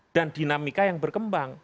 dan dinamika yang berkembang